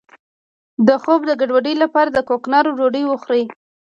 د خوب د ګډوډۍ لپاره د کوکنارو ډوډۍ وخورئ